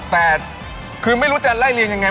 แต่คือไม่รู้จะไล่เรียงยังไง